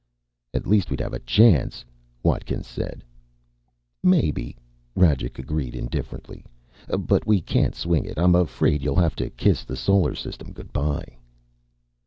"At least we'd have a chance," Watkins said. "Maybe," Rajcik agreed indifferently. "But we can't swing it. I'm afraid you'll have to kiss the Solar System good by."